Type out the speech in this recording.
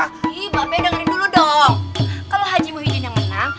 ih mbak peh dengerin dulu dong kalau haji muhyiddin yang menang